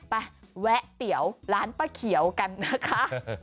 แวะเตี๋ยวร้านป้าเขียวกันนะคะ